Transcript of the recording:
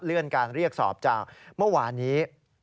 การเรียกสอบจากเมื่อวานนี้